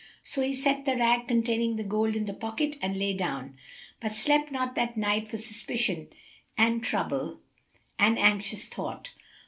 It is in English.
So he set the rag containing the gold in the pocket and lay down, but slept not that night for suspicion and trouble and anxious thought.